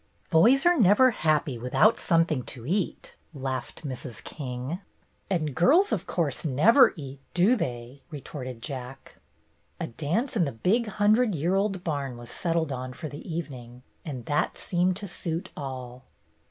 "Boys are never happy without something to eat," laughed Mrs. King. "And girls, of course, never eat, do they?" retorted Jack. A dance in the big hundred year old barn was settled on for the evening, and that seemed to suit all.